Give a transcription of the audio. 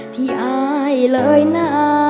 ที่อายเลยนะ